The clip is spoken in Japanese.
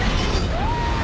うわ！